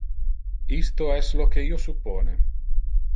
Isto es lo que io suppone.